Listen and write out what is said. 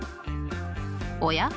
おや？